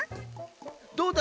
どうだ？